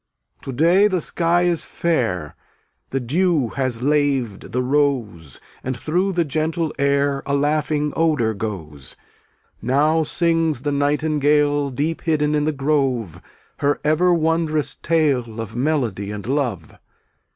247 To day the sky is fair, The dew has laved the rose And through the gentle air A laughing odor goes. Now sings the nightingale, Deep hidden in the grove, Her ever wondrous tale Of melody and love.